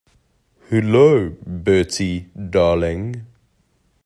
Hullo, Bertie, darling.